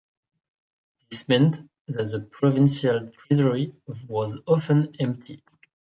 This meant that the provincial treasury was often empty.